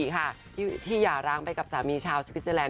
๒๐๑๔ค่ะที่หย่าร้างไปกับสามีชาวสวิสเซอร์แลนด์